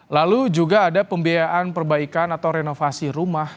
lalu juga ada pembiayaan perbaikan atau renovasi rumah